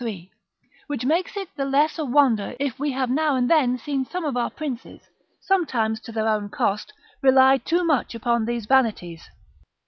3.] ; which makes it the less a wonder if we have now and then seen some of our princes, sometimes to their own cost, rely too much upon these vanities.